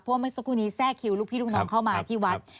เพราะว่าเมื่อสักครู่นี้แทรกคิวลูกพี่ลูกน้องเข้ามาที่วัด